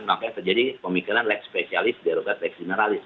makanya terjadi pemikiran lex specialist derogat lex generalis